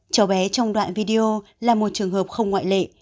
cháu bé trong đoạn video là một trường hợp không ngoại lệ